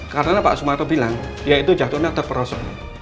karena pak sumarno bilang dia itu jatuhnya terperosot